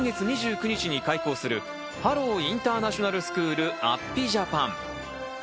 来月２９日に開校する、ハロウインターナショナルスクール・安比ジャパン。